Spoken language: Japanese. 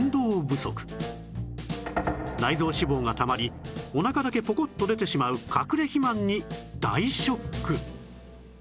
内臓脂肪がたまりお腹だけポコッと出てしまうかくれ肥満に大ショック！